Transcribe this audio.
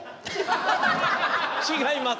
違います！